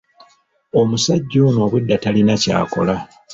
Omusajja ono obwedda talina ky'akola.